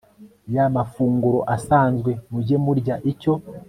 ya mafunguro asanzwe Mujye murya icyo